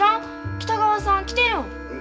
北川さん来てるん？